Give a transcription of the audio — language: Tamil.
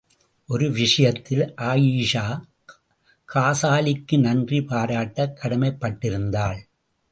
ஒரு விஷயத்தில் ஆயீஷா காசாலிக்கு நன்றி பாராட்டக் கடமைப் பட்டிருந்தாள்.